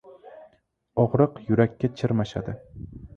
• Og‘riq yurakka chirmashadi.